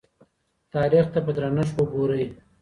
تاریخ ته په درنښت وګورئ.